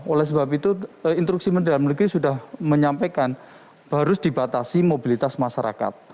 oleh sebab itu instruksi menteri dalam negeri sudah menyampaikan harus dibatasi mobilitas masyarakat